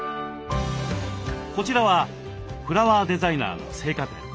こちらはフラワーデザイナーの生花店。